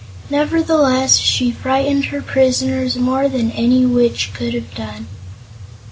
Nevertheless, she frightened her prisoners more than any witch could have done.